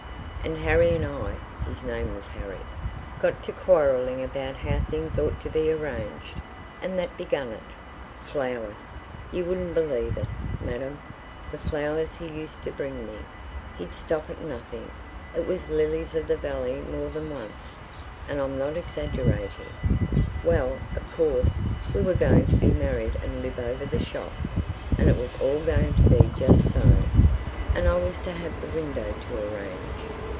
And Harry and I (his name was Harry) got to quarrelling about how things ought to be arranged—and that began it. Flowers! you wouldn't believe it, madam, the flowers he used to bring me. He'd stop at nothing. It was lilies of the valley more than once, and I'm not exaggerating! Well, of course, we were going to be married and live over the shop, and it was all going to be just so, and I was to have the window to arrange....